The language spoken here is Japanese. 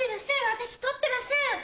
私盗ってません。